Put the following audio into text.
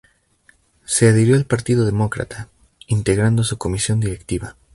Se adhirió al Partido Demócrata, integrando su comisión directiva.